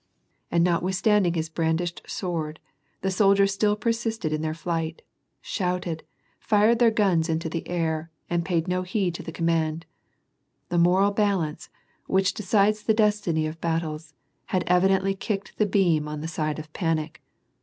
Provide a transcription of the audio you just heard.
227 and notwithstanding his brandished sword, the soldiers still persisted in their flight, shouted, fired their guns into the air, and paid no heed to the command. The moral balance, which decides the destiny of battles, had evidently kicked the beam on the side of panic.